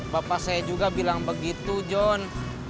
bapak saya juga bilang begitu john